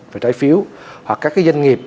về trái phiếu hoặc các cái doanh nghiệp